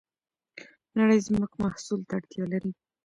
نړۍ زموږ محصول ته اړتیا لري.